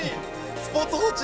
スポーツ報知。